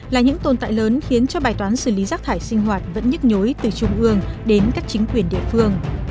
là những tồn tại lớn khiến cho bài toán xử lý rác thải sinh hoạt vẫn nhức nhối từ trung ương đến các chính quyền địa phương